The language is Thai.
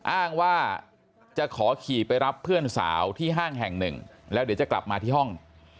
อ้างว่าจะขอขี่ไปรับเพื่อนสาวที่ห้างแห่งหนึ่งแล้วเดี๋ยวจะกลับมาที่ห้อง